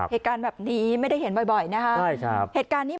เหตุการณ์แบบนี้ไม่ได้เห็นบ่อยนะครับ